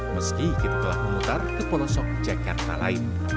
meski kita telah memutar ke pelosok jakarta lain